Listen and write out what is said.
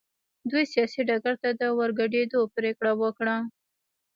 دوی سیاست ډګر ته د ورګډېدو پرېکړه وکړه.